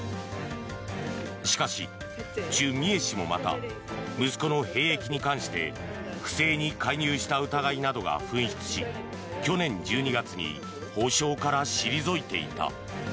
しかし、チュ・ミエ氏もまた息子の兵役に関して不正に介入した疑いなどが噴出し去年１２月に法相から退いていた。